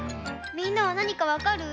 みんなはなにかわかる？